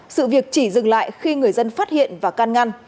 sự việc chỉ dừng lại khi người dân phát hiện và can ngăn